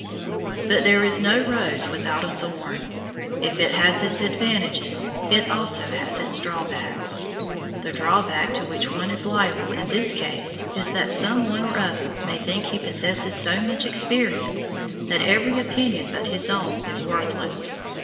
But there is no rose without a thorn; if it has its advantages, it also has its drawbacks. The drawback to which one is liable in this case is that someone or other may think he possesses so much experience that every opinion but his own is worthless.